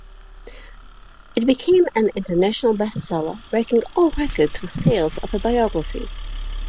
It became an international best-seller, breaking all records for sales of a biography.